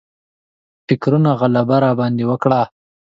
فکرونو غلبه راباندې وکړه.